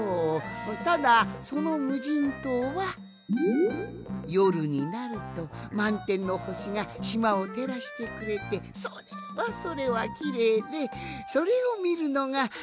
ただそのむじんとうはよるになるとまんてんのほしがしまをてらしてくれてそれはそれはきれいでそれをみるのがたのしみなんじゃが。